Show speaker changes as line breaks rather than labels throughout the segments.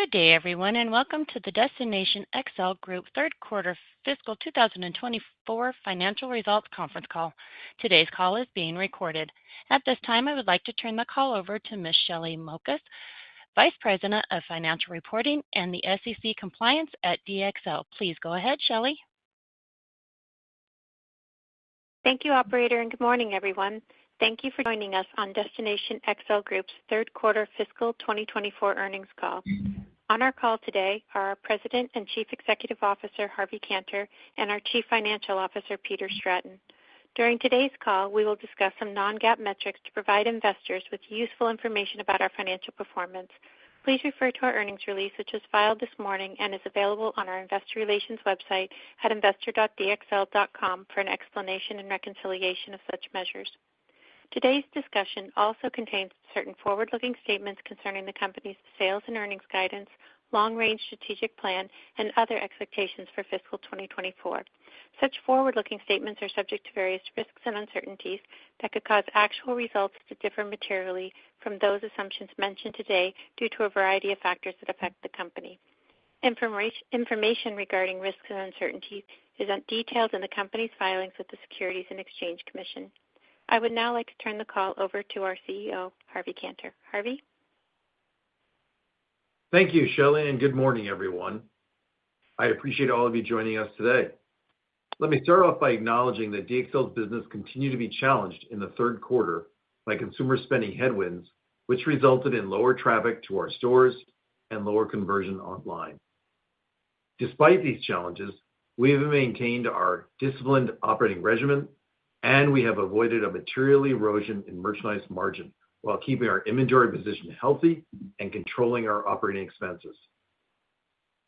Good day, everyone, and welcome to the Destination XL Group Third Quarter Fiscal 2024 Financial Results Conference Call. Today's call is being recorded. At this time, I would like to turn the call over to Ms. Shelly Mokas, Vice President of Financial Reporting and SEC Compliance at DXL. Please go ahead, Shelly.
Thank you, Operator, and good morning, everyone. Thank you for joining us on Destination XL Group's Third Quarter Fiscal 2024 Earnings Call. On our call today are our President and Chief Executive Officer, Harvey Kanter, and our Chief Financial Officer, Peter Stratton. During today's call, we will discuss some non-GAAP metrics to provide investors with useful information about our financial performance. Please refer to our earnings release, which was filed this morning and is available on our Investor Relations website at investor.dxl.com for an explanation and reconciliation of such measures. Today's discussion also contains certain forward-looking statements concerning the company's sales and earnings guidance, long-range strategic plan, and other expectations for Fiscal 2024. Such forward-looking statements are subject to various risks and uncertainties that could cause actual results to differ materially from those assumptions mentioned today due to a variety of factors that affect the company. Information regarding risks and uncertainties is detailed in the company's filings with the Securities and Exchange Commission. I would now like to turn the call over to our CEO, Harvey Kanter. Harvey.
Thank you, Shelly, and good morning, everyone. I appreciate all of you joining us today. Let me start off by acknowledging that DXL's business continued to be challenged in the third quarter by consumer spending headwinds, which resulted in lower traffic to our stores and lower conversion online. Despite these challenges, we have maintained our disciplined operating regimen, and we have avoided a material erosion in merchandise margin while keeping our inventory position healthy and controlling our operating expenses.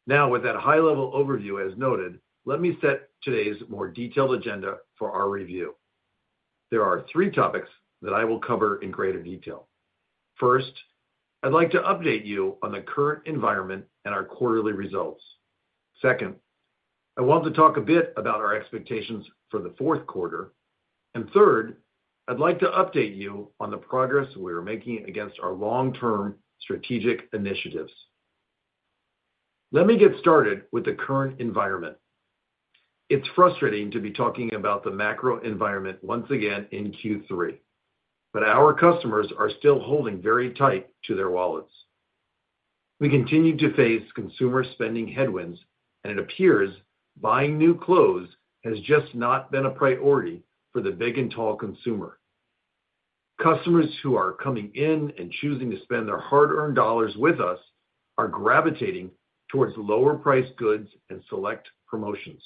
Now, with that high-level overview, as noted, let me set today's more detailed agenda for our review. There are three topics that I will cover in greater detail. First, I'd like to update you on the current environment and our quarterly results. Second, I want to talk a bit about our expectations for the fourth quarter. And third, I'd like to update you on the progress we are making against our long-term strategic initiatives. Let me get started with the current environment. It's frustrating to be talking about the macro environment once again in Q3, but our customers are still holding very tight to their wallets. We continue to face consumer spending headwinds, and it appears buying new clothes has just not been a priority for the Big and Tall consumer. Customers who are coming in and choosing to spend their hard-earned dollars with us are gravitating towards lower-priced goods and select promotions.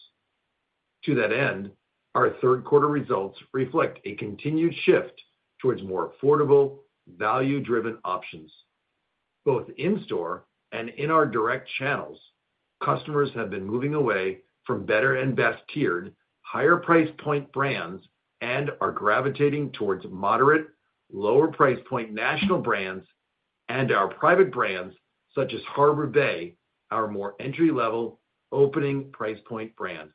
To that end, our third-quarter results reflect a continued shift towards more affordable, value-driven options. Both in-store and in our direct channels, customers have been moving away from better and best-tiered, higher-price point brands and are gravitating towards moderate, lower-price point national brands and our private brands, such as Harbor Bay, our more entry-level, opening price point brand.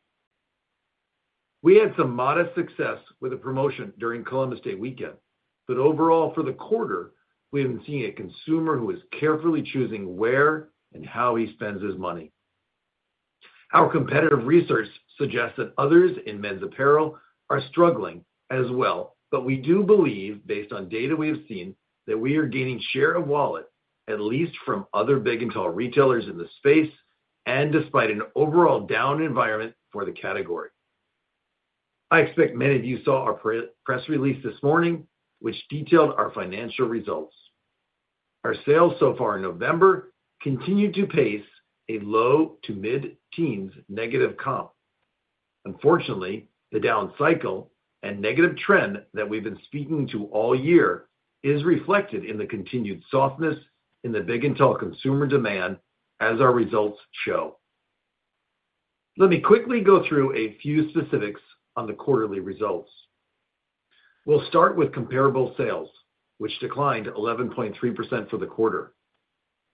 We had some modest success with a promotion during Columbus Day weekend, but overall, for the quarter, we have been seeing a consumer who is carefully choosing where and how he spends his money. Our competitive research suggests that others in men's apparel are struggling as well, but we do believe, based on data we have seen, that we are gaining share of wallet, at least from other Big and Tall retailers in the space and despite an overall down environment for the category. I expect many of you saw our press release this morning, which detailed our financial results. Our sales so far in November continued to pace a low to mid-teens negative comp. Unfortunately, the down cycle and negative trend that we've been speaking to all year is reflected in the continued softness in the Big and Tall consumer demand, as our results show. Let me quickly go through a few specifics on the quarterly results. We'll start with comparable sales, which declined 11.3% for the quarter.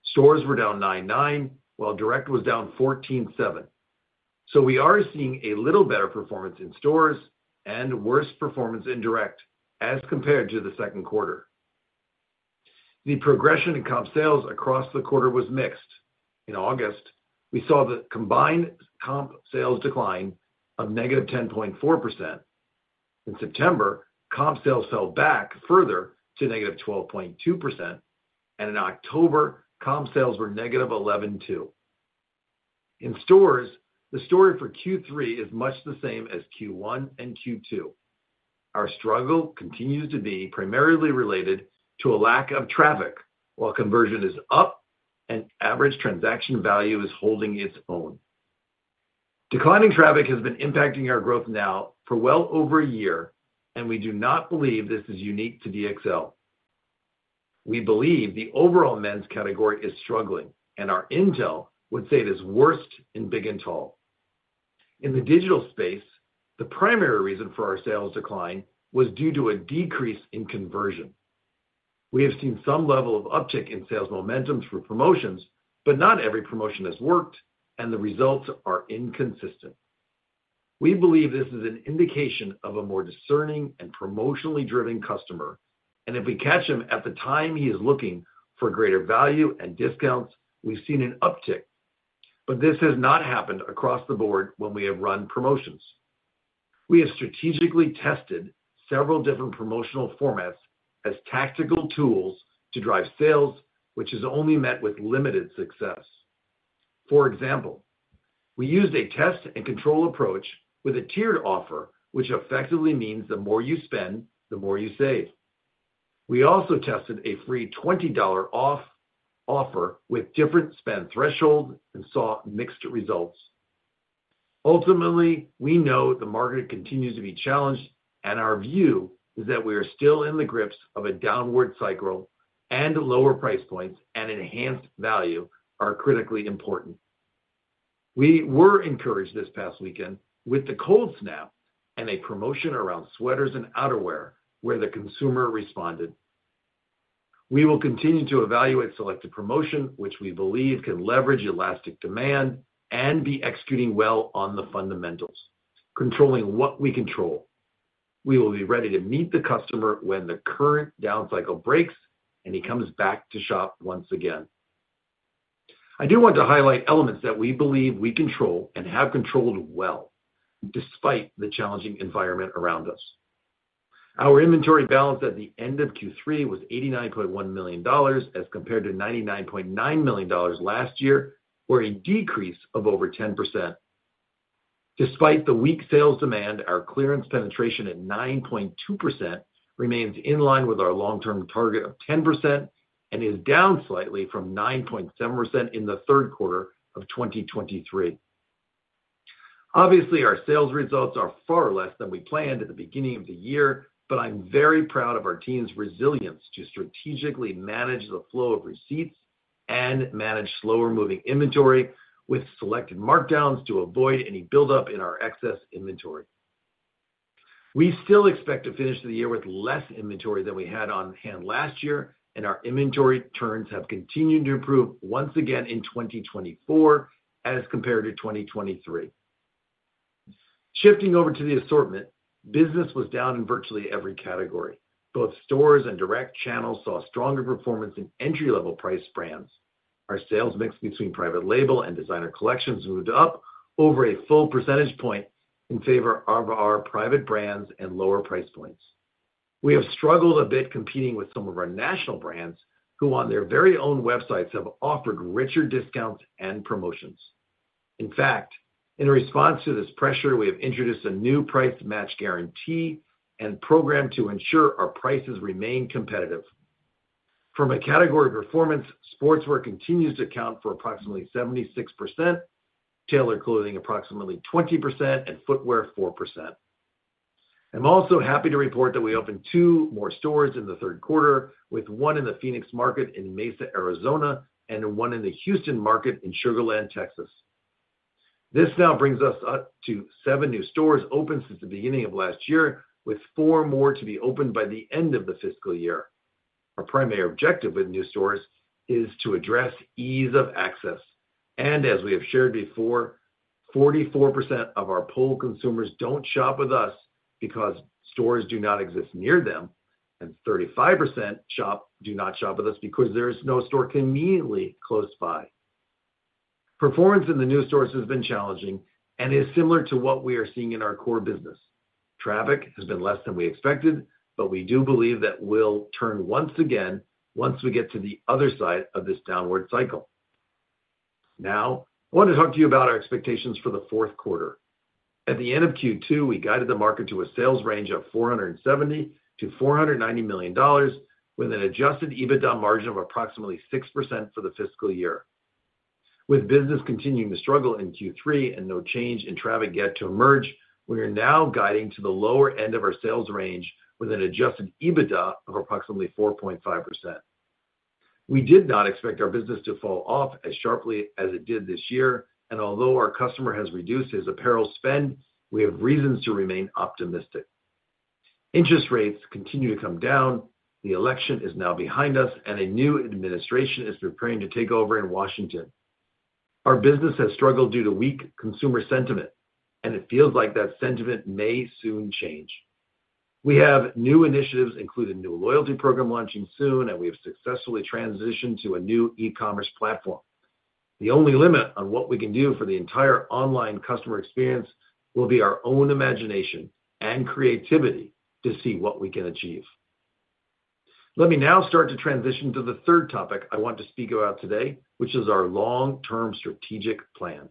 Stores were down 9.9%, while direct was down 14.7%. So we are seeing a little better performance in stores and worse performance in direct as compared to the second quarter. The progression in comp sales across the quarter was mixed. In August, we saw the combined comp sales decline of negative 10.4%. In September, comp sales fell back further to negative 12.2%, and in October, comp sales were negative 11.2%. In stores, the story for Q3 is much the same as Q1 and Q2. Our struggle continues to be primarily related to a lack of traffic, while conversion is up and average transaction value is holding its own. Declining traffic has been impacting our growth now for well over a year, and we do not believe this is unique to DXL. We believe the overall men's category is struggling, and our intel would say it is worst in Big and Tall. In the digital space, the primary reason for our sales decline was due to a decrease in conversion. We have seen some level of uptick in sales momentum through promotions, but not every promotion has worked, and the results are inconsistent. We believe this is an indication of a more discerning and promotionally driven customer, and if we catch him at the time he is looking for greater value and discounts, we've seen an uptick. But this has not happened across the board when we have run promotions. We have strategically tested several different promotional formats as tactical tools to drive sales, which has only met with limited success. For example, we used a test and control approach with a tiered offer, which effectively means the more you spend, the more you save. We also tested a free $20 off offer with different spend thresholds and saw mixed results. Ultimately, we know the market continues to be challenged, and our view is that we are still in the grips of a downward cycle, and lower price points and enhanced value are critically important. We were encouraged this past weekend with the cold snap and a promotion around sweaters and outerwear where the consumer responded. We will continue to evaluate selective promotion, which we believe can leverage elastic demand and be executing well on the fundamentals, controlling what we control. We will be ready to meet the customer when the current down cycle breaks and he comes back to shop once again. I do want to highlight elements that we believe we control and have controlled well despite the challenging environment around us. Our inventory balance at the end of Q3 was $89.1 million as compared to $99.9 million last year, or a decrease of over 10%. Despite the weak sales demand, our clearance penetration at 9.2% remains in line with our long-term target of 10% and is down slightly from 9.7% in the third quarter of 2023. Obviously, our sales results are far less than we planned at the beginning of the year, but I'm very proud of our team's resilience to strategically manage the flow of receipts and manage slower-moving inventory with selected markdowns to avoid any buildup in our excess inventory. We still expect to finish the year with less inventory than we had on hand last year, and our inventory turns have continued to improve once again in 2024 as compared to 2023. Shifting over to the assortment, business was down in virtually every category. Both stores and direct channels saw stronger performance in entry-level price brands. Our sales mix between private label and designer collections moved up over a full percentage point in favor of our private brands and lower price points. We have struggled a bit competing with some of our national brands who, on their very own websites, have offered richer discounts and promotions. In fact, in response to this pressure, we have introduced a new price match guarantee and program to ensure our prices remain competitive. From a category performance, sportswear continues to account for approximately 76%, tailored clothing approximately 20%, and footwear 4%. I'm also happy to report that we opened two more stores in the third quarter, with one in the Phoenix market in Mesa, Arizona, and one in the Houston market in Sugar Land, Texas. This now brings us up to seven new stores open since the beginning of last year, with four more to be opened by the end of the fiscal year. Our primary objective with new stores is to address ease of access. As we have shared before, 44% of our pool consumers don't shop with us because stores do not exist near them, and 35% do not shop with us because there is no store conveniently close by. Performance in the new stores has been challenging and is similar to what we are seeing in our core business. Traffic has been less than we expected, but we do believe that we'll turn once again once we get to the other side of this downward cycle. Now, I want to talk to you about our expectations for the fourth quarter. At the end of Q2, we guided the market to a sales range of $470-$490 million with an Adjusted EBITDA margin of approximately 6% for the fiscal year. With business continuing to struggle in Q3 and no change in traffic yet to emerge, we are now guiding to the lower end of our sales range with an Adjusted EBITDA of approximately 4.5%. We did not expect our business to fall off as sharply as it did this year, and although our customer has reduced his apparel spend, we have reasons to remain optimistic. Interest rates continue to come down, the election is now behind us, and a new administration is preparing to take over in Washington. Our business has struggled due to weak consumer sentiment, and it feels like that sentiment may soon change. We have new initiatives, including a new loyalty program launching soon, and we have successfully transitioned to a new e-commerce platform. The only limit on what we can do for the entire online customer experience will be our own imagination and creativity to see what we can achieve. Let me now start to transition to the third topic I want to speak about today, which is our long-term strategic plan.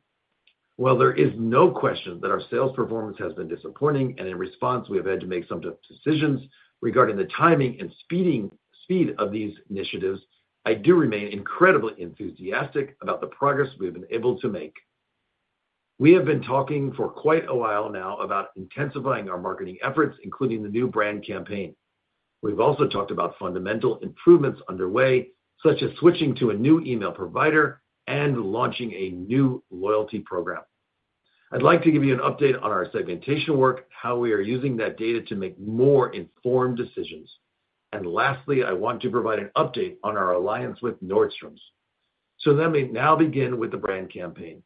While there is no question that our sales performance has been disappointing and in response we have had to make some decisions regarding the timing and speed of these initiatives, I do remain incredibly enthusiastic about the progress we have been able to make. We have been talking for quite a while now about intensifying our marketing efforts, including the new brand campaign. We've also talked about fundamental improvements underway, such as switching to a new email provider and launching a new loyalty program. I'd like to give you an update on our segmentation work, how we are using that data to make more informed decisions. And lastly, I want to provide an update on our alliance with Nordstrom's. So let me now begin with the brand campaign.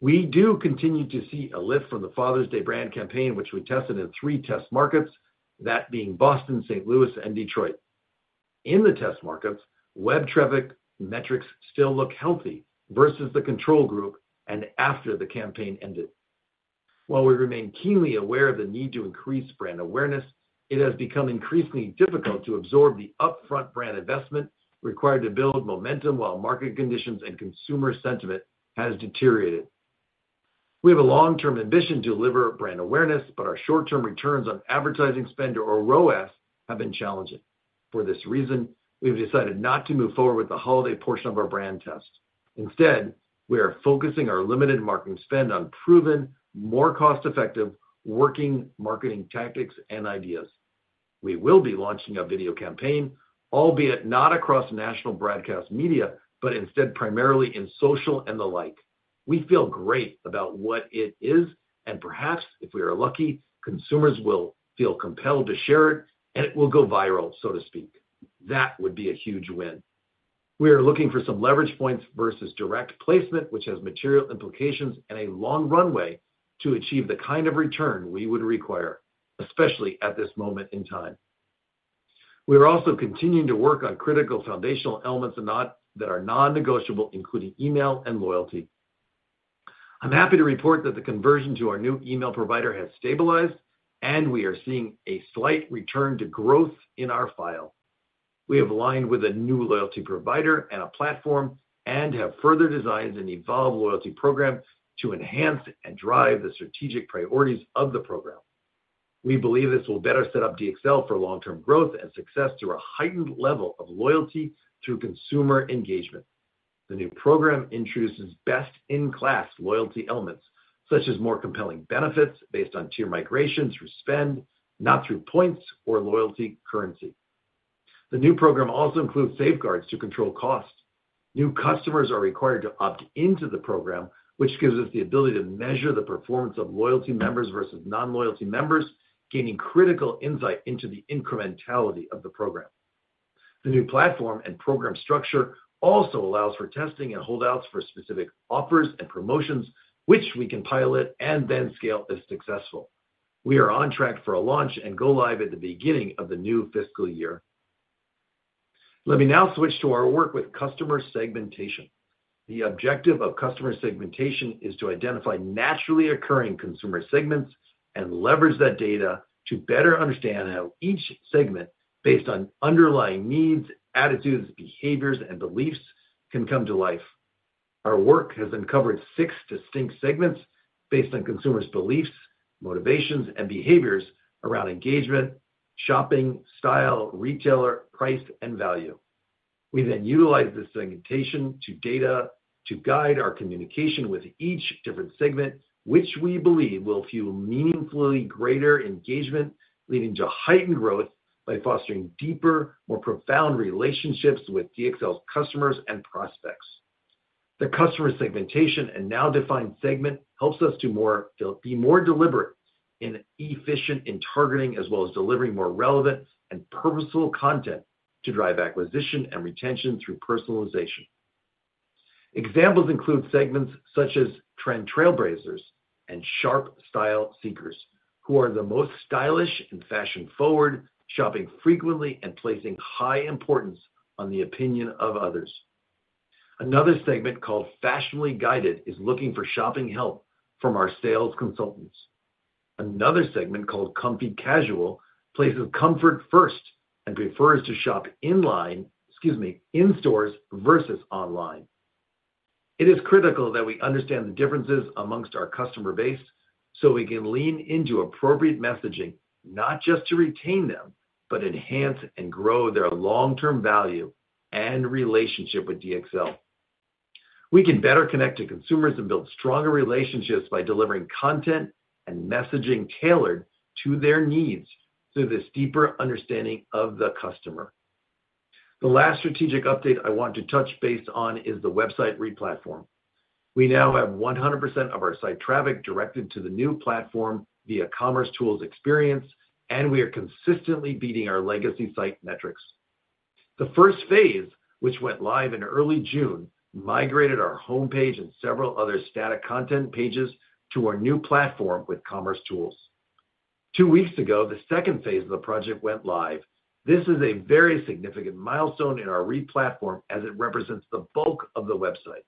We do continue to see a lift from the Father's Day brand campaign, which we tested in three test markets, that being Boston, St. Louis, and Detroit. In the test markets, web traffic metrics still look healthy versus the control group and after the campaign ended. While we remain keenly aware of the need to increase brand awareness, it has become increasingly difficult to absorb the upfront brand investment required to build momentum while market conditions and consumer sentiment have deteriorated. We have a long-term ambition to deliver brand awareness, but our short-term returns on advertising spend, or ROAS, have been challenging. For this reason, we have decided not to move forward with the holiday portion of our brand test. Instead, we are focusing our limited marketing spend on proven, more cost-effective working marketing tactics and ideas. We will be launching a video campaign, albeit not across national broadcast media, but instead primarily in social and the like. We feel great about what it is, and perhaps, if we are lucky, consumers will feel compelled to share it, and it will go viral, so to speak. That would be a huge win. We are looking for some leverage points versus direct placement, which has material implications and a long runway to achieve the kind of return we would require, especially at this moment in time. We are also continuing to work on critical foundational elements that are non-negotiable, including email and loyalty. I'm happy to report that the conversion to our new email provider has stabilized, and we are seeing a slight return to growth in our file. We have aligned with a new loyalty provider and a platform and have further designed an evolved loyalty program to enhance and drive the strategic priorities of the program. We believe this will better set up DXL for long-term growth and success through a heightened level of loyalty through consumer engagement. The new program introduces best-in-class loyalty elements, such as more compelling benefits based on tier migrations through spend, not through points or loyalty currency. The new program also includes safeguards to control cost. New customers are required to opt into the program, which gives us the ability to measure the performance of loyalty members versus non-loyalty members, gaining critical insight into the incrementality of the program. The new platform and program structure also allows for testing and holdouts for specific offers and promotions, which we can pilot and then scale if successful. We are on track for a launch and go live at the beginning of the new fiscal year. Let me now switch to our work with customer segmentation. The objective of customer segmentation is to identify naturally occurring consumer segments and leverage that data to better understand how each segment, based on underlying needs, attitudes, behaviors, and beliefs, can come to life. Our work has uncovered six distinct segments based on consumers' beliefs, motivations, and behaviors around engagement, shopping style, retailer, price, and value. We then utilize this segmentation data to guide our communication with each different segment, which we believe will fuel meaningfully greater engagement, leading to heightened growth by fostering deeper, more profound relationships with DXL's customers and prospects. The customer segmentation and now defined segment helps us to be more deliberate and efficient in targeting, as well as delivering more relevant and purposeful content to drive acquisition and retention through personalization. Examples include segments such as trend trailblazers and sharp style seekers, who are the most stylish and fashion-forward, shopping frequently and placing high importance on the opinion of others. Another segment called fashionably guided is looking for shopping help from our sales consultants. Another segment called comfy casual places comfort first and prefers to shop in stores, versus online. It is critical that we understand the differences among our customer base so we can lean into appropriate messaging, not just to retain them, but enhance and grow their long-term value and relationship with DXL. We can better connect to consumers and build stronger relationships by delivering content and messaging tailored to their needs through this deeper understanding of the customer. The last strategic update I want to touch base on is the website replatform. We now have 100% of our site traffic directed to the new platform via commercetools experience, and we are consistently beating our legacy site metrics. The first phase, which went live in early June, migrated our homepage and several other static content pages to our new platform with commercetools. Two weeks ago, the second phase of the project went live. This is a very significant milestone in our replatform as it represents the bulk of the website.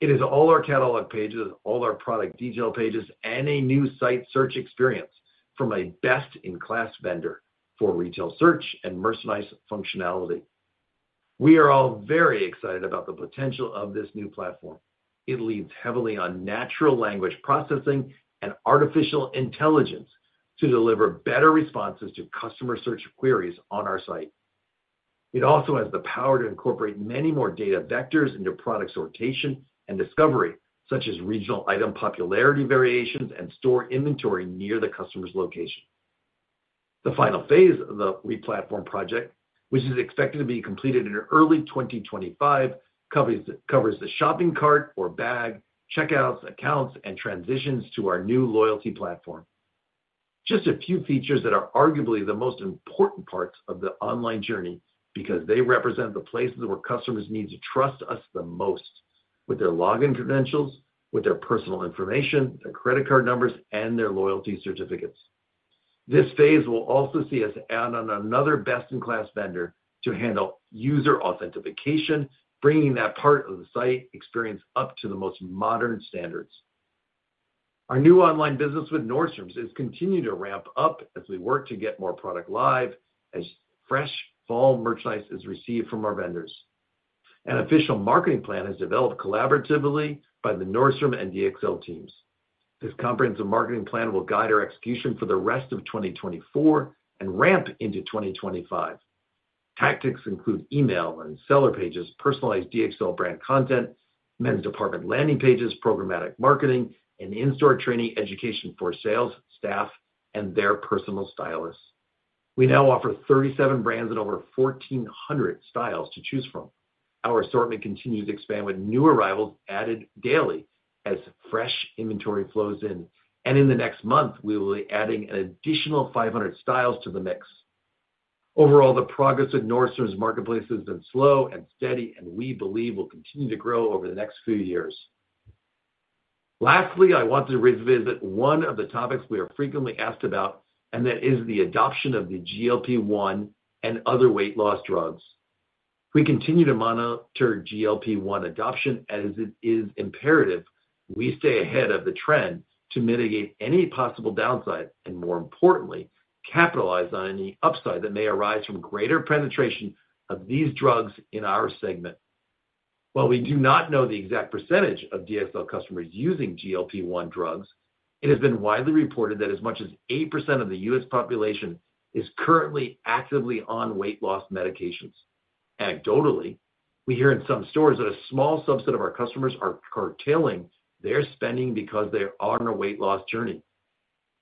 It is all our catalog pages, all our product detail pages, and a new site search experience from a best-in-class vendor for retail search and merchandise functionality. We are all very excited about the potential of this new platform. It leads heavily on natural language processing and artificial intelligence to deliver better responses to customer search queries on our site. It also has the power to incorporate many more data vectors into product sortation and discovery, such as regional item popularity variations and store inventory near the customer's location. The final phase of the replatform project, which is expected to be completed in early 2025, covers the shopping cart or bag, checkouts, accounts, and transitions to our new loyalty platform. Just a few features that are arguably the most important parts of the online journey because they represent the places where customers need to trust us the most, with their login credentials, with their personal information, their credit card numbers, and their loyalty certificates. This phase will also see us add on another best-in-class vendor to handle user authentication, bringing that part of the site experience up to the most modern standards. Our new online business with Nordstrom's is continuing to ramp up as we work to get more product live as fresh fall merchandise is received from our vendors. An official marketing plan is developed collaboratively by the Nordstrom and DXL teams. This comprehensive marketing plan will guide our execution for the rest of 2024 and ramp into 2025. Tactics include email and seller pages, personalized DXL brand content, men's department landing pages, programmatic marketing, and in-store training education for sales staff and their personal stylists. We now offer 37 brands and over 1,400 styles to choose from. Our assortment continues to expand with new arrivals added daily as fresh inventory flows in, and in the next month, we will be adding an additional 500 styles to the mix. Overall, the progress with Nordstrom's marketplace has been slow and steady, and we believe will continue to grow over the next few years. Lastly, I want to revisit one of the topics we are frequently asked about, and that is the adoption of the GLP-1 and other weight loss drugs. We continue to monitor GLP-1 adoption, as it is imperative we stay ahead of the trend to mitigate any possible downside and, more importantly, capitalize on any upside that may arise from greater penetration of these drugs in our segment. While we do not know the exact percentage of DXL customers using GLP-1 drugs, it has been widely reported that as much as 8% of the U.S. Population is currently actively on weight loss medications. Anecdotally, we hear in some stores that a small subset of our customers are curtailing their spending because they are on a weight loss journey.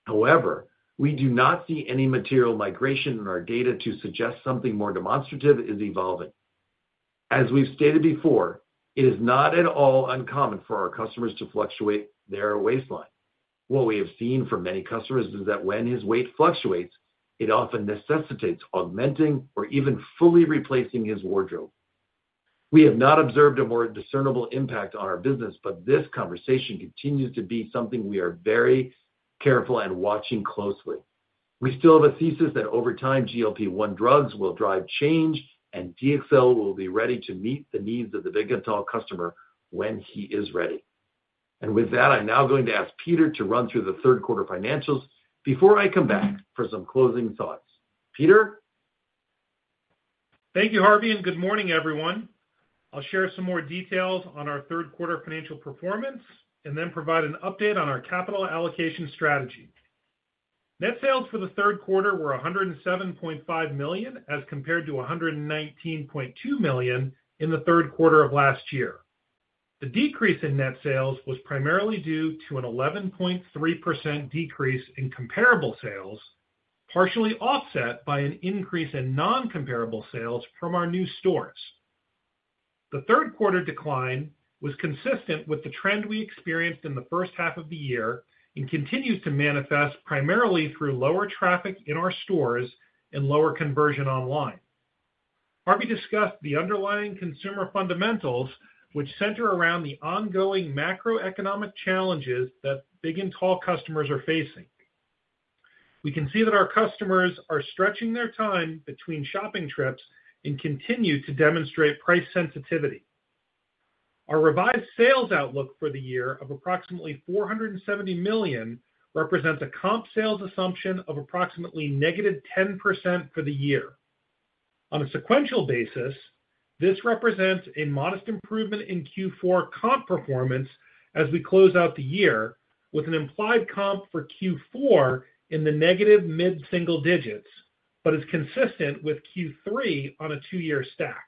However, we do not see any material migration in our data to suggest something more demonstrative is evolving. As we've stated before, it is not at all uncommon for our customers to fluctuate their waistline. What we have seen from many customers is that when his weight fluctuates, it often necessitates augmenting or even fully replacing his wardrobe. We have not observed a more discernible impact on our business, but this conversation continues to be something we are very careful and watching closely. We still have a thesis that over time, GLP-1 drugs will drive change, and DXL will be ready to meet the needs of the Big and Tall customer when he is ready. And with that, I'm now going to ask Peter to run through the third quarter financials before I come back for some closing thoughts. Peter?
Thank you, Harvey, and good morning, everyone. I'll share some more details on our third quarter financial performance and then provide an update on our capital allocation strategy. Net sales for the third quarter were $107.5 million as compared to $119.2 million in the third quarter of last year. The decrease in net sales was primarily due to an 11.3% decrease in comparable sales, partially offset by an increase in non-comparable sales from our new stores. The third quarter decline was consistent with the trend we experienced in the first half of the year and continues to manifest primarily through lower traffic in our stores and lower conversion online. Harvey discussed the underlying consumer fundamentals, which center around the ongoing macroeconomic challenges that Big and Tall customers are facing. We can see that our customers are stretching their time between shopping trips and continue to demonstrate price sensitivity. Our revised sales outlook for the year of approximately $470 million represents a comp sales assumption of approximately -10% for the year. On a sequential basis, this represents a modest improvement in Q4 comp performance as we close out the year with an implied comp for Q4 in the negative mid-single digits, but is consistent with Q3 on a two-year stack.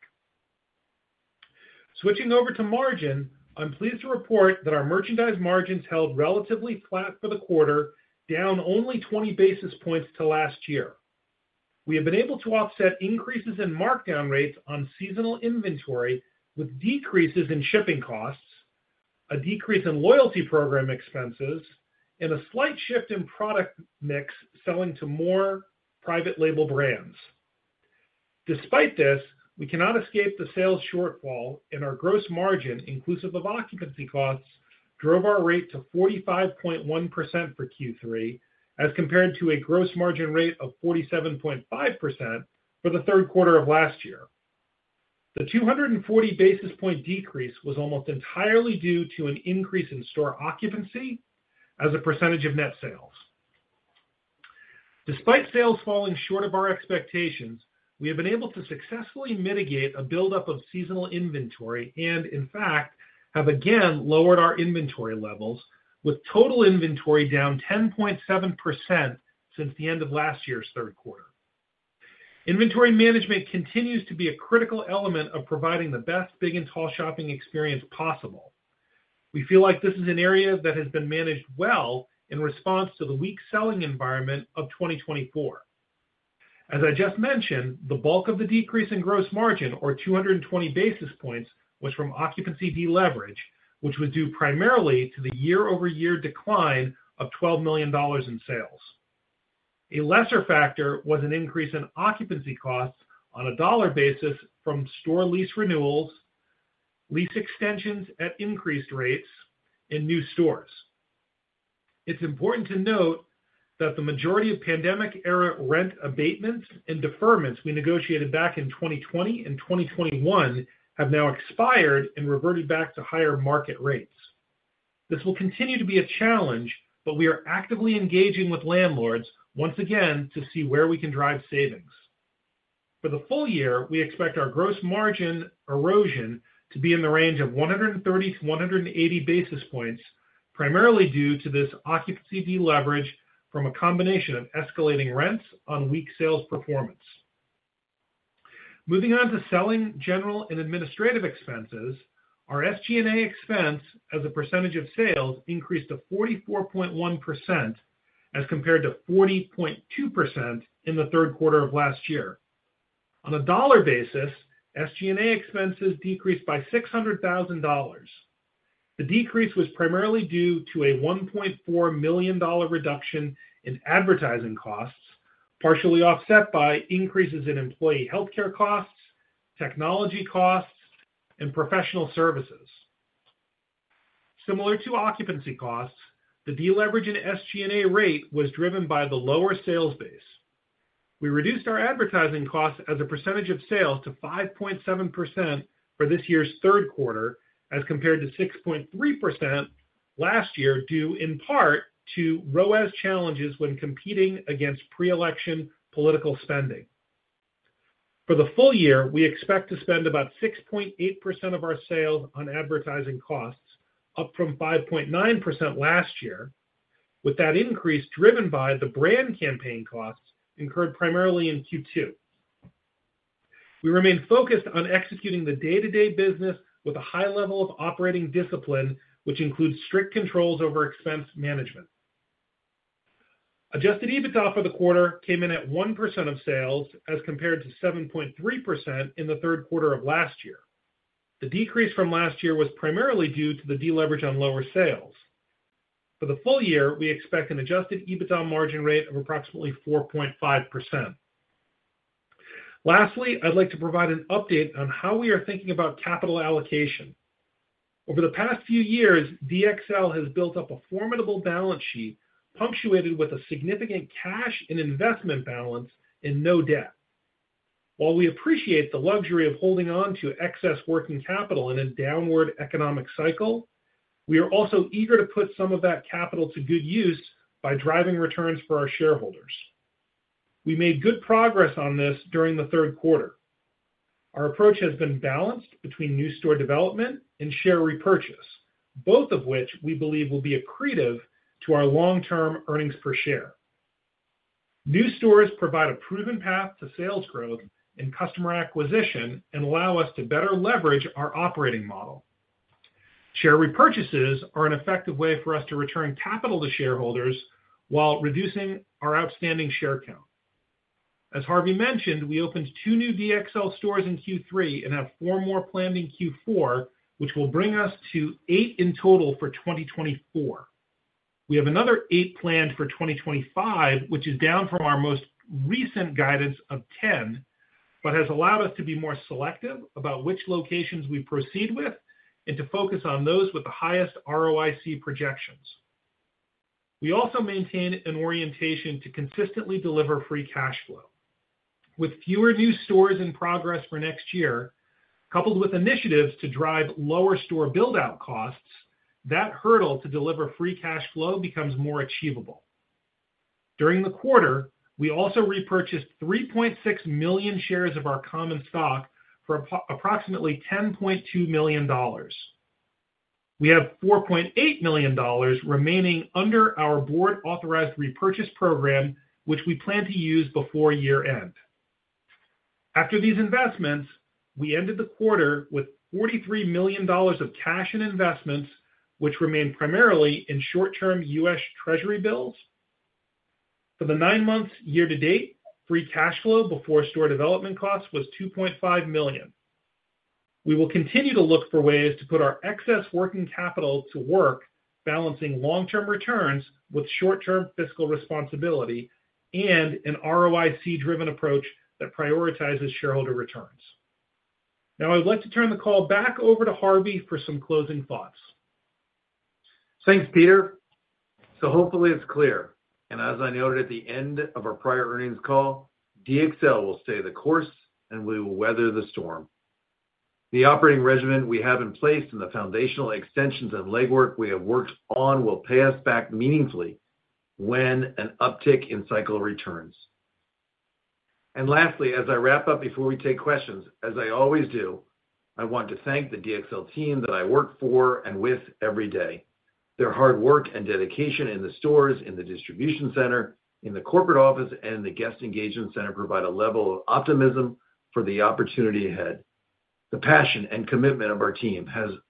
Switching over to margin, I'm pleased to report that our merchandise margins held relatively flat for the quarter, down only 20 basis points to last year. We have been able to offset increases in markdown rates on seasonal inventory with decreases in shipping costs, a decrease in loyalty program expenses, and a slight shift in product mix selling to more private label brands. Despite this, we cannot escape the sales shortfall, and our gross margin, inclusive of occupancy costs, drove our rate to 45.1% for Q3 as compared to a gross margin rate of 47.5% for the third quarter of last year. The 240 basis points decrease was almost entirely due to an increase in store occupancy as a percentage of net sales. Despite sales falling short of our expectations, we have been able to successfully mitigate a buildup of seasonal inventory and, in fact, have again lowered our inventory levels, with total inventory down 10.7% since the end of last year's third quarter. Inventory management continues to be a critical element of providing the best Big and Tall shopping experience possible. We feel like this is an area that has been managed well in response to the weak selling environment of 2024. As I just mentioned, the bulk of the decrease in gross margin, or 220 basis points, was from occupancy deleverage, which was due primarily to the year-over-year decline of $12 million in sales. A lesser factor was an increase in occupancy costs on a dollar basis from store lease renewals, lease extensions at increased rates, and new stores. It's important to note that the majority of pandemic-era rent abatements and deferments we negotiated back in 2020 and 2021 have now expired and reverted back to higher market rates. This will continue to be a challenge, but we are actively engaging with landlords once again to see where we can drive savings. For the full year, we expect our gross margin erosion to be in the range of 130-180 basis points, primarily due to this occupancy deleverage from a combination of escalating rents on weak sales performance. Moving on to Selling, General, and Administrative expenses, our SG&A expense as a percentage of sales increased to 44.1% as compared to 40.2% in the third quarter of last year. On a dollar basis, SG&A expenses decreased by $600,000. The decrease was primarily due to a $1.4 million reduction in advertising costs, partially offset by increases in employee healthcare costs, technology costs, and professional services. Similar to occupancy costs, the deleverage in SG&A rate was driven by the lower sales base. We reduced our advertising costs as a percentage of sales to 5.7% for this year's third quarter as compared to 6.3% last year, due in part to ROAS challenges when competing against pre-election political spending. For the full year, we expect to spend about 6.8% of our sales on advertising costs, up from 5.9% last year, with that increase driven by the brand campaign costs incurred primarily in Q2. We remain focused on executing the day-to-day business with a high level of operating discipline, which includes strict controls over expense management. Adjusted EBITDA for the quarter came in at 1% of sales as compared to 7.3% in the third quarter of last year. The decrease from last year was primarily due to the deleverage on lower sales. For the full year, we expect an adjusted EBITDA margin rate of approximately 4.5%. Lastly, I'd like to provide an update on how we are thinking about capital allocation. Over the past few years, DXL has built up a formidable balance sheet, punctuated with a significant cash and investment balance and no debt. While we appreciate the luxury of holding on to excess working capital in a downward economic cycle, we are also eager to put some of that capital to good use by driving returns for our shareholders. We made good progress on this during the third quarter. Our approach has been balanced between new store development and share repurchase, both of which we believe will be accretive to our long-term earnings per share. New stores provide a proven path to sales growth and customer acquisition and allow us to better leverage our operating model. Share repurchases are an effective way for us to return capital to shareholders while reducing our outstanding share count. As Harvey mentioned, we opened two new DXL stores in Q3 and have four more planned in Q4, which will bring us to eight in total for 2024. We have another eight planned for 2025, which is down from our most recent guidance of 10, but has allowed us to be more selective about which locations we proceed with and to focus on those with the highest ROIC projections. We also maintain an orientation to consistently deliver free cash flow. With fewer new stores in progress for next year, coupled with initiatives to drive lower store buildout costs, that hurdle to deliver free cash flow becomes more achievable. During the quarter, we also repurchased 3.6 million shares of our common stock for approximately $10.2 million. We have $4.8 million remaining under our board-authorized repurchase program, which we plan to use before year-end. After these investments, we ended the quarter with $43 million of cash and investments, which remained primarily in short-term U.S. Treasury bills. For the nine-month year-to-date, free cash flow before store development costs was $2.5 million. We will continue to look for ways to put our excess working capital to work, balancing long-term returns with short-term fiscal responsibility and an ROIC-driven approach that prioritizes shareholder returns. Now, I'd like to turn the call back over to Harvey for some closing thoughts.
Thanks, Peter. So hopefully, it's clear. And as I noted at the end of our prior earnings call, DXL will stay the course, and we will weather the storm. The operating regimen we have in place and the foundational extensions and legwork we have worked on will pay us back meaningfully when an uptick in cycle returns. And lastly, as I wrap up before we take questions, as I always do, I want to thank the DXL team that I work for and with every day. Their hard work and dedication in the stores, in the distribution center, in the corporate office, and in the guest engagement center provide a level of optimism for the opportunity ahead. The passion and commitment of our team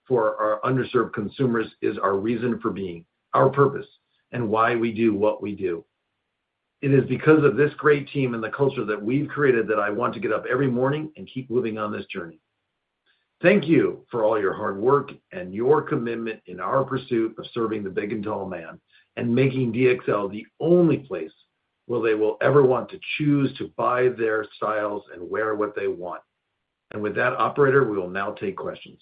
for our underserved consumers is our reason for being, our purpose, and why we do what we do. It is because of this great team and the culture that we've created that I want to get up every morning and keep moving on this journey. Thank you for all your hard work and your commitment in our pursuit of serving the Big and Tall man and making DXL the only place where they will ever want to choose to buy their styles and wear what they want, and with that, Operator, we will now take questions.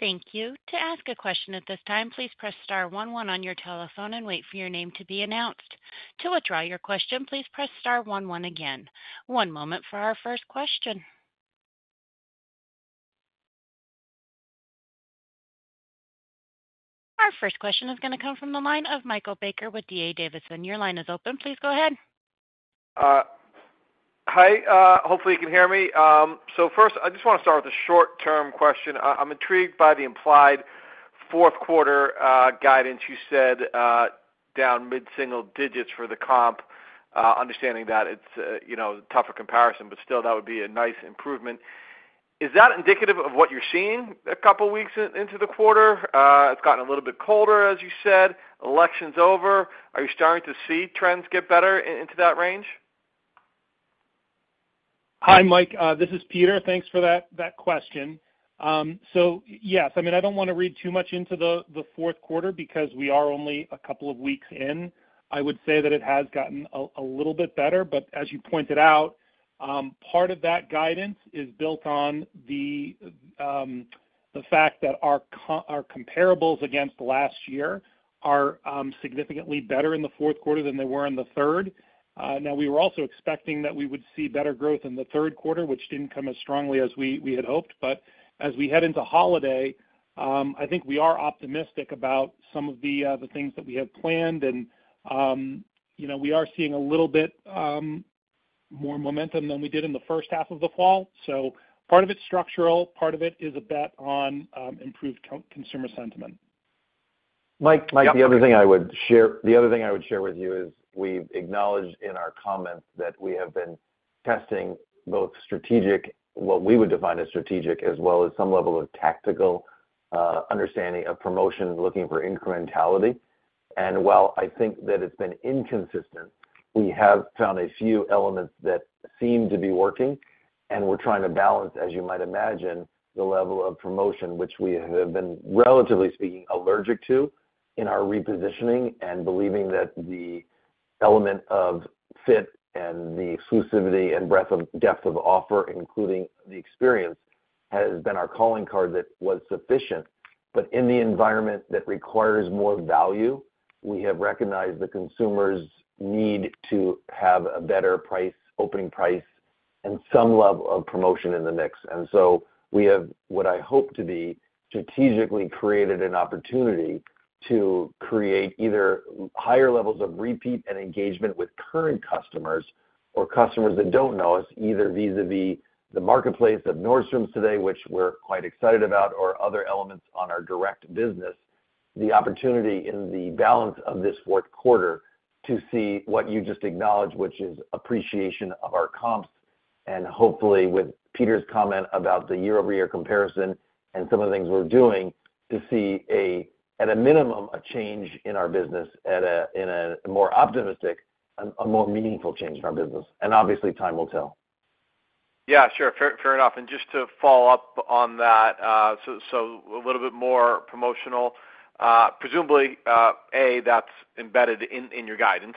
Thank you. To ask a question at this time, please press star one one on your telephone and wait for your name to be announced. To withdraw your question, please press star again. One moment for our first question. Our first question is going to come from the line of Michael Baker with D.A. Davidson. Your line is open. Please go ahead.
Hi. Hopefully, you can hear me, so first, I just want to start with a short-term question. I'm intrigued by the implied fourth quarter guidance you said down mid-single digits for the comp, understanding that it's tough for comparison, but still, that would be a nice improvement. Is that indicative of what you're seeing a couple of weeks into the quarter? It's gotten a little bit colder, as you said. Election's over. Are you starting to see trends get better into that range?
Hi, Mike. This is Peter. Thanks for that question. So yes, I mean, I don't want to read too much into the fourth quarter because we are only a couple of weeks in. I would say that it has gotten a little bit better. But as you pointed out, part of that guidance is built on the fact that our comparables against last year are significantly better in the fourth quarter than they were in the third. Now, we were also expecting that we would see better growth in the third quarter, which didn't come as strongly as we had hoped. But as we head into holiday, I think we are optimistic about some of the things that we have planned. And we are seeing a little bit more momentum than we did in the first half of the fall. So part of it's structural. Part of it is a bet on improved consumer sentiment.
Mike, the other thing I would share with you is we've acknowledged in our comments that we have been testing both strategic, what we would define as strategic, as well as some level of tactical understanding of promotion, looking for incrementality. And while I think that it's been inconsistent, we have found a few elements that seem to be working. And we're trying to balance, as you might imagine, the level of promotion, which we have been, relatively speaking, allergic to in our repositioning and believing that the element of fit and the exclusivity and breadth of offer, including the experience, has been our calling card that was sufficient. But in the environment that requires more value, we have recognized the consumer's need to have a better opening price and some level of promotion in the mix. And so we have, what I hope to be, strategically created an opportunity to create either higher levels of repeat and engagement with current customers or customers that don't know us, either vis-à-vis the marketplace of Nordstrom's today, which we're quite excited about, or other elements on our direct business, the opportunity in the balance of this fourth quarter to see what you just acknowledged, which is appreciation of our comps and hopefully with Peter's comment about the year-over-year comparison and some of the things we're doing to see, at a minimum, a change in our business, in a more optimistic, a more meaningful change in our business. And obviously, time will tell.
Yeah, sure. Fair enough. And just to follow up on that, so a little bit more promotional, presumably, A, that's embedded in your guidance.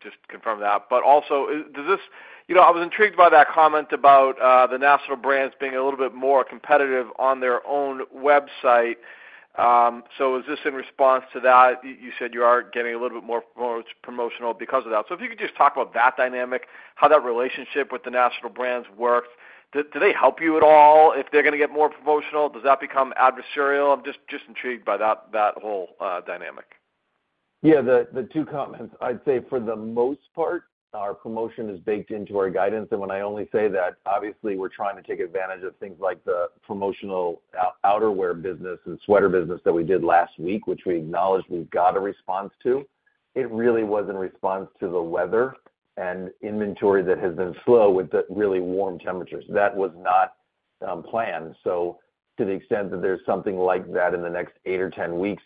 Just confirm that? But also, I was intrigued by that comment about the national brands being a little bit more competitive on their own website. So is this in response to that? You said you are getting a little bit more promotional because of that. So if you could just talk about that dynamic, how that relationship with the national brands works. Do they help you at all if they're going to get more promotional? Does that become adversarial? I'm just intrigued by that whole dynamic.
Yeah, the two comments. I'd say for the most part, our promotion is baked into our guidance. And when I only say that, obviously, we're trying to take advantage of things like the promotional outerwear business and sweater business that we did last week, which we acknowledge we've got a response to. It really was in response to the weather and inventory that has been slow with the really warm temperatures. That was not planned. So to the extent that there's something like that in the next eight or 10 weeks,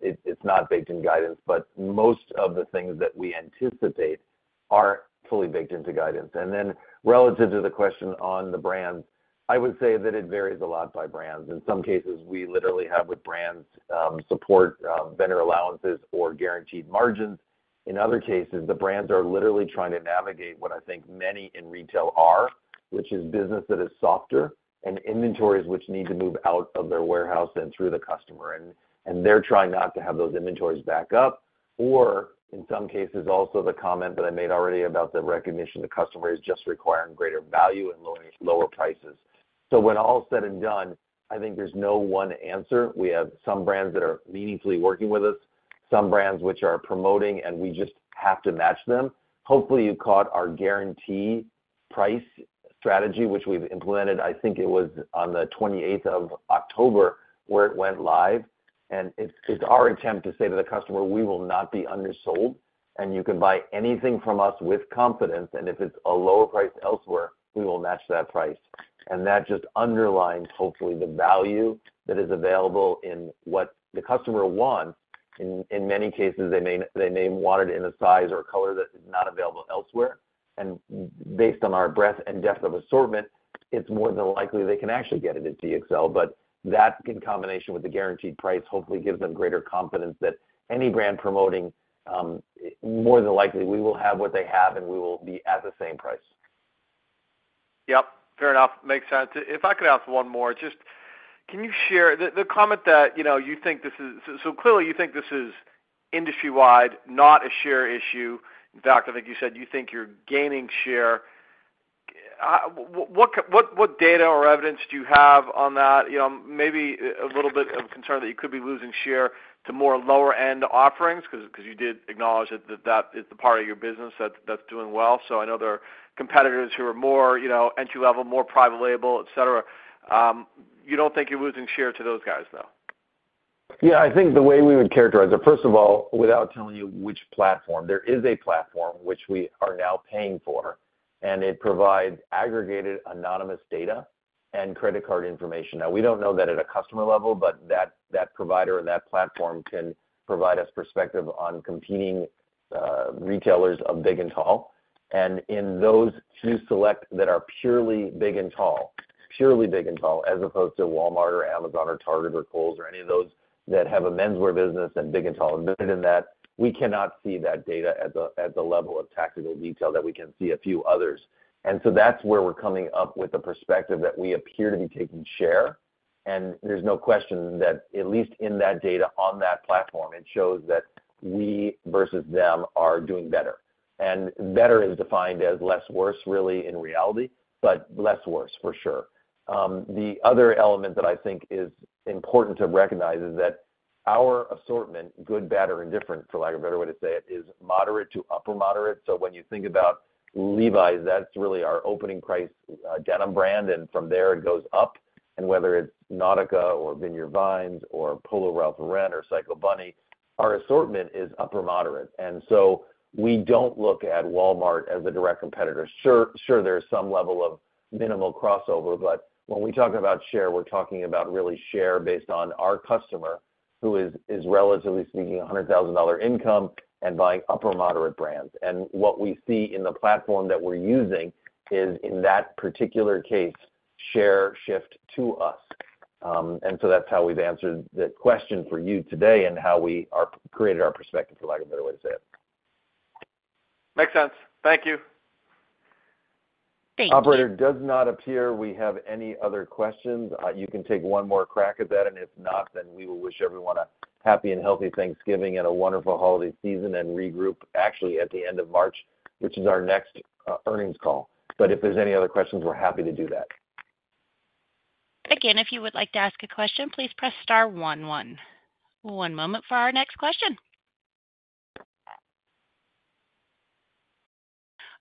it's not baked in guidance. But most of the things that we anticipate are fully baked into guidance. And then relative to the question on the brands, I would say that it varies a lot by brands. In some cases, we literally have with brands support vendor allowances or guaranteed margins. In other cases, the brands are literally trying to navigate what I think many in retail are, which is business that is softer and inventories which need to move out of their warehouse and through the customer. And they're trying not to have those inventories back up. Or, in some cases, also the comment that I made already about the recognition the customer is just requiring greater value and lower prices. So when all's said and done, I think there's no one answer. We have some brands that are meaningfully working with us, some brands which are promoting, and we just have to match them. Hopefully, you caught our guarantee price strategy, which we've implemented. I think it was on the 28th of October where it went live. And it's our attempt to say to the customer, "We will not be undersold, and you can buy anything from us with confidence. And if it's a lower price elsewhere, we will match that price." And that just underlines, hopefully, the value that is available in what the customer wants. In many cases, they may want it in a size or color that is not available elsewhere. And based on our breadth and depth of assortment, it's more than likely they can actually get it at DXL. But that, in combination with the guaranteed price, hopefully gives them greater confidence that any brand promoting, more than likely, we will have what they have, and we will be at the same price.
Yep. Fair enough. Makes sense. If I could ask one more, just can you share the comment that you think this is so clearly, you think this is industry-wide, not a share issue. In fact, I think you said you think you're gaining share. What data or evidence do you have on that? Maybe a little bit of concern that you could be losing share to more lower-end offerings because you did acknowledge that that is the part of your business that's doing well. So I know there are competitors who are more entry-level, more private label, etc. You don't think you're losing share to those guys, though?
Yeah, I think the way we would characterize it, first of all, without telling you which platform, there is a platform which we are now paying for, and it provides aggregated anonymous data and credit card information. Now, we don't know that at a customer level, but that provider and that platform can provide us perspective on competing retailers of Big and Tall. And in those few select that are purely Big and Tall, purely Big and Tall, as opposed to Walmart or Amazon or Target or Kohl's or any of those that have a menswear business and Big and Tall, embedded in that, we cannot see that data at the level of tactical detail that we can see a few others. And so that's where we're coming up with the perspective that we appear to be taking share. And there's no question that, at least in that data on that platform, it shows that we versus them are doing better. And better is defined as less worse, really, in reality, but less worse for sure. The other element that I think is important to recognize is that our assortment, good, bad, or indifferent, for lack of a better way to say it, is moderate to upper moderate. So when you think about Levi's, that's really our opening price, denim brand, and from there, it goes up. And whether it's Nautica or Vineyard Vines or Polo Ralph Lauren or Psycho Bunny, our assortment is upper moderate. And so we don't look at Walmart as a direct competitor. Sure, there's some level of minimal crossover, but when we talk about share, we're talking about really share based on our customer who is, relatively speaking, a $100,000 income and buying upper moderate brands. And what we see in the platform that we're using is, in that particular case, share shift to us. And so that's how we've answered the question for you today and how we created our perspective, for lack of a better way to say it.
Makes sense. Thank you.
Thank you. Operator, it does not appear we have any other questions. You can take one more crack at that. And if not, then we will wish everyone a happy and healthy Thanksgiving and a wonderful holiday season and regroup, actually, at the end of March, which is our next earnings call. But if there's any other questions, we're happy to do that.
Again, if you would like to ask a question, please press star one one. One moment for our next question.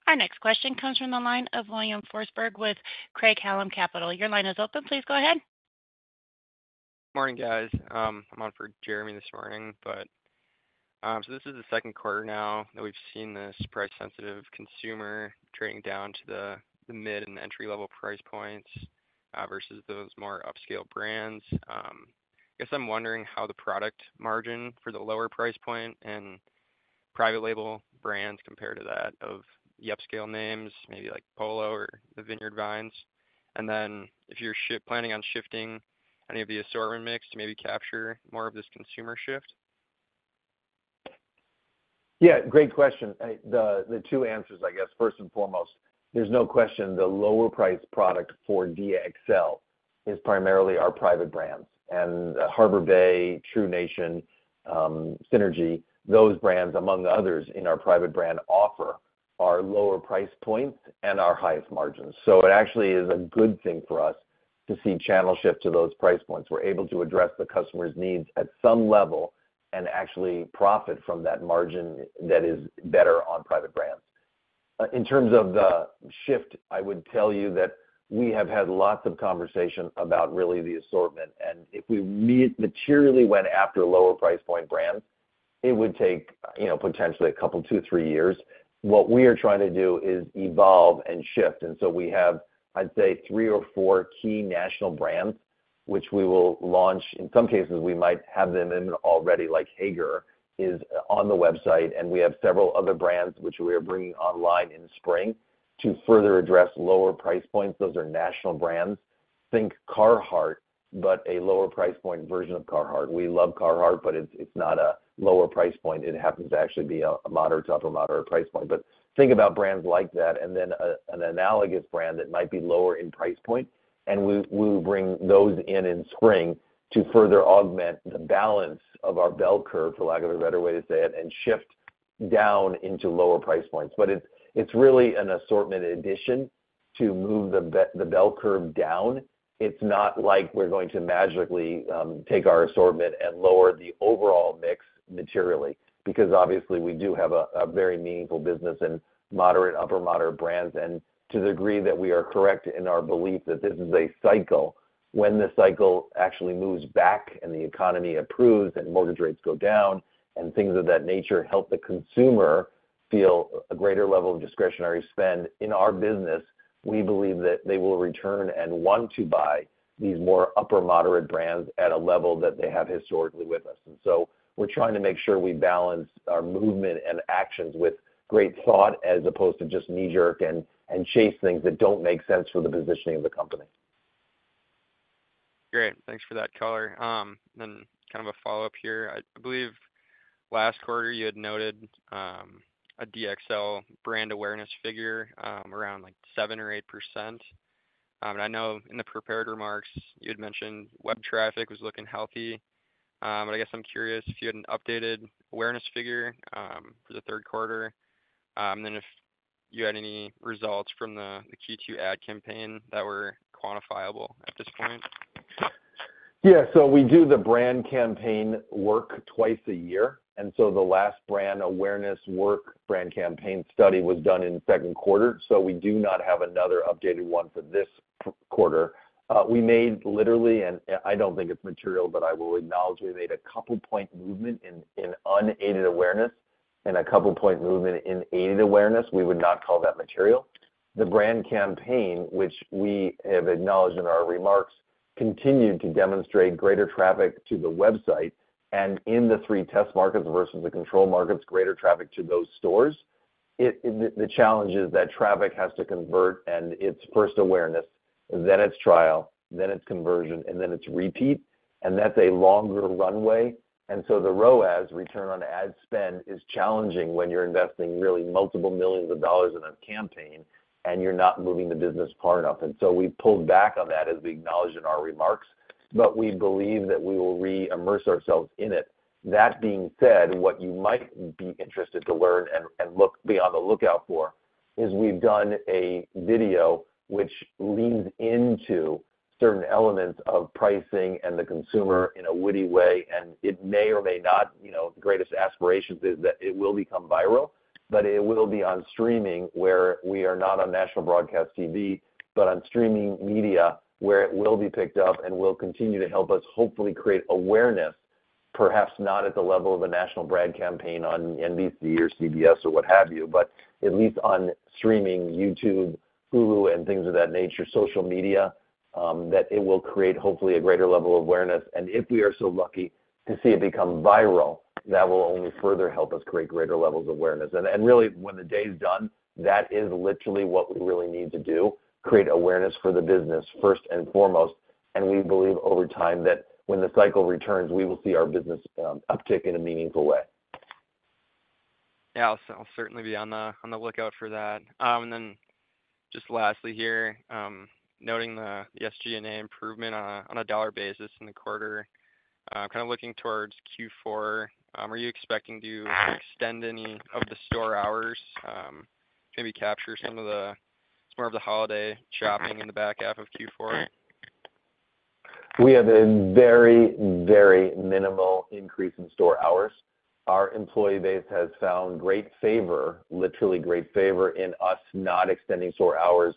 Our next question comes from the line of William Forsberg with Craig-Hallum Capital Group. Your line is open. Please go ahead. Morning, guys. I'm on for Jeremy this morning, but so this is the second quarter now that we've seen this price-sensitive consumer trading down to the mid and entry-level price points versus those more upscale brands. I guess I'm wondering how the product margin for the lower price point and private label brands compare to that of the upscale names, maybe like Polo or the Vineyard Vines. And then if you're planning on shifting any of the assortment mix to maybe capture more of this consumer shift?
Yeah, great question. The two answers, I guess, first and foremost, there's no question the lower-priced product for DXL is primarily our private brands. Harbor Bay, True Nation, Synrgy, those brands, among others in our private brand offer our lower price points and our highest margins. It actually is a good thing for us to see channel shift to those price points. We're able to address the customer's needs at some level and actually profit from that margin that is better on private brands. In terms of the shift, I would tell you that we have had lots of conversation about really the assortment. If we materially went after lower price point brands, it would take potentially a couple, two, three years. What we are trying to do is evolve and shift. We have, I'd say, three or four key national brands, which we will launch. In some cases, we might have them already, like Haggar is on the website, and we have several other brands which we are bringing online in spring to further address lower price points. Those are national brands. Think Carhartt, but a lower price point version of Carhartt. We love Carhartt, but it's not a lower price point. It happens to actually be a moderate to upper moderate price point, but think about brands like that and then an analogous brand that might be lower in price point, and we will bring those in in spring to further augment the balance of our bell curve, for lack of a better way to say it, and shift down into lower price points, but it's really an assortment addition to move the bell curve down. It's not like we're going to magically take our assortment and lower the overall mix materially because, obviously, we do have a very meaningful business in moderate, upper moderate brands. And to the degree that we are correct in our belief that this is a cycle, when the cycle actually moves back and the economy improves and mortgage rates go down and things of that nature help the consumer feel a greater level of discretionary spend in our business, we believe that they will return and want to buy these more upper moderate brands at a level that they have historically with us. And so we're trying to make sure we balance our movement and actions with great thought as opposed to just knee-jerk and chase things that don't make sense for the positioning of the company. Great. Thanks for that color. And then kind of a follow-up here. I believe last quarter you had noted a DXL brand awareness figure around 7% or 8%. And I know in the prepared remarks, you had mentioned web traffic was looking healthy. But I guess I'm curious if you had an updated awareness figure for the third quarter and then if you had any results from the Q2 ad campaign that were quantifiable at this point. Yeah. So we do the brand campaign work twice a year. And so the last brand awareness work brand campaign study was done in second quarter. So we do not have another updated one for this quarter. We made literally an, I don't think it's material, but I will acknowledge we made a couple-point movement in unaided awareness and a couple-point movement in aided awareness. We would not call that material. The brand campaign, which we have acknowledged in our remarks, continued to demonstrate greater traffic to the website and in the three test markets versus the control markets, greater traffic to those stores. The challenge is that traffic has to convert and it's first awareness, then it's trial, then it's conversion, and then it's repeat, and that's a longer runway, and so the ROAS, Return on Ad Spend, is challenging when you're investing really multiple millions of dollars in a campaign and you're not moving the business far enough, and so we pulled back on that as we acknowledged in our remarks, but we believe that we will re-immerse ourselves in it. That being said, what you might be interested to learn and look beyond the lookout for is we've done a video which leans into certain elements of pricing and the consumer in a witty way. It may or may not, the greatest aspiration is that it will become viral, but it will be on streaming where we are not on national broadcast TV, but on streaming media where it will be picked up and will continue to help us hopefully create awareness, perhaps not at the level of a national brand campaign on NBC or CBS or what have you, but at least on streaming YouTube, Hulu, and things of that nature, social media, that it will create hopefully a greater level of awareness. If we are so lucky to see it become viral, that will only further help us create greater levels of awareness. Really, when the day is done, that is literally what we really need to do: create awareness for the business first and foremost. And we believe over time that when the cycle returns, we will see our business uptick in a meaningful way. Yeah. I'll certainly be on the lookout for that. And then just lastly here, noting the SG&A improvement on a dollar basis in the quarter, kind of looking towards Q4, are you expecting to extend any of the store hours, maybe capture some of the more of the holiday shopping in the back half of Q4? We have a very, very minimal increase in store hours. Our employee base has found great favor, literally great favor in us not extending store hours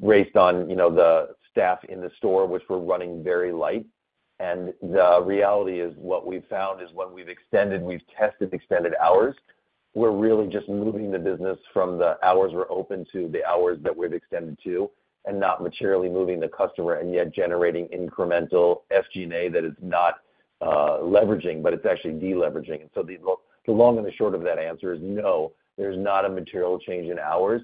based on the staff in the store, which we're running very light. And the reality is what we've found is when we've extended, we've tested extended hours, we're really just moving the business from the hours we're open to the hours that we've extended to and not materially moving the customer and yet generating incremental SG&A that is not leveraging, but it's actually deleveraging. And so the long and the short of that answer is no, there's not a material change in hours.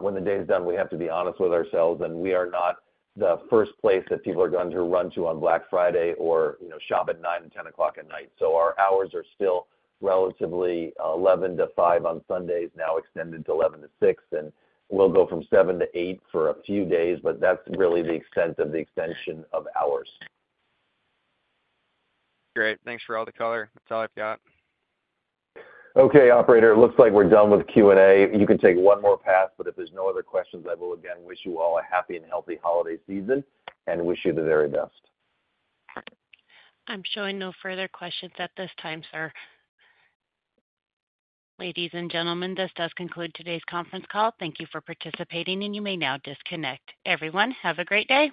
When the day is done, we have to be honest with ourselves. And we are not the first place that people are going to run to on Black Friday or shop at 9:00 P.M. and 10:00 P.M. So our hours are still relatively 11:00 A.M. to 5:00 P.M. on Sundays, now extended to 11:00 A.M. to 6:00 P.M. And we'll go from 7:00 A.M. to 8:00 P.M. for a few days, but that's really the extent of the extension of hours. Great. Thanks for all the color. That's all I've got. Okay, Operator. It looks like we're done with Q&A. You can take one more pass, but if there's no other questions, I will again wish you all a happy and healthy holiday season and wish you the very best.
I'm showing no further questions at this time, sir. Ladies and gentlemen, this does conclude today's conference call. Thank you for participating, and you may now disconnect. Everyone, have a great day.